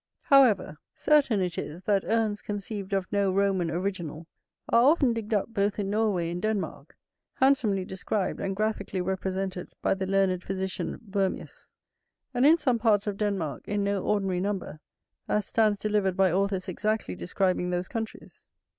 However, certain it is, that urns conceived of no Roman original, are often digged up both in Norway and Denmark, handsomely described, and graphically represented by the learned physician Wormius. And in some parts of Denmark in no ordinary number, as stands delivered by authors exactly describing those countries.